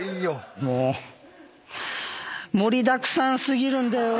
もーう盛りだくさん過ぎるんだよ。